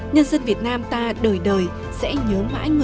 nhân dân việt nam ta đời đời sẽ nhớ mãi người con việt nam anh hùng ấy